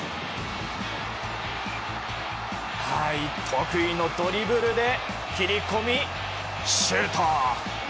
得意のドリブルで切り込みシュート。